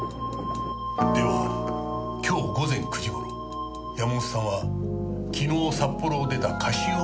では今日午前９時頃山本さんは昨日札幌を出たカシオペアに乗ってらした。